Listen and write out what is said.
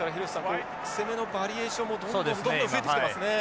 こう攻めのバリエーションもどんどんどんどん増えてきていますね。